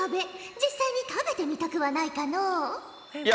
実際に食べてみたくはないかのう？